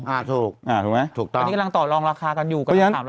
อันนี้กำลังตอบรองราคากันอยู่